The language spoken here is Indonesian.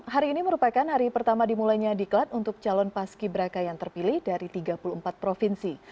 hari ini merupakan hari pertama dimulainya diklat untuk calon paski braka yang terpilih dari tiga puluh empat provinsi